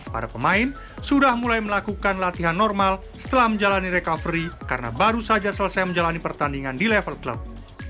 para pemain sudah mulai melakukan latihan normal setelah menjalani recovery karena baru saja selesai menjalani pertandingan di level klub